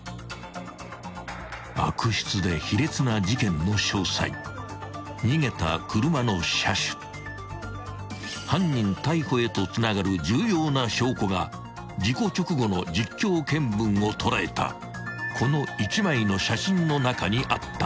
［悪質で卑劣な事件の詳細逃げた車の車種犯人逮捕へとつながる重要な証拠が事故直後の実況見分を捉えたこの１枚の写真の中にあった］